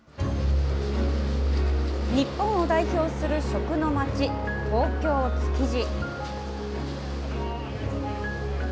日本を代表する食の街、東京・築地。